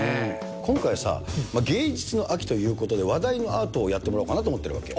今回さ、芸術の秋ということで、話題のアートをやってもらおうかなと思ってるわけ。